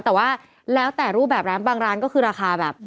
แต่ว่าแล้วแต่รูปแบบร้านบางร้านก็คือราคาแบบ